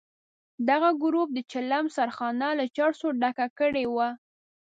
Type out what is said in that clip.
دغه ګروپ د چلم سرخانه له چرسو ډکه کړې وه.